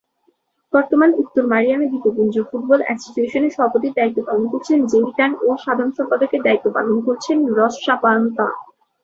বর্তমানে উত্তর মারিয়ানা দ্বীপপুঞ্জ ফুটবল অ্যাসোসিয়েশনের সভাপতির দায়িত্ব পালন করছেন জেরি টান এবং সাধারণ সম্পাদকের দায়িত্ব পালন করছেন রস সাপান্তা।